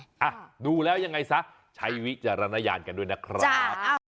อ่ะดูแล้วยังไงซะใช้วิจารณญาณกันด้วยนะครับ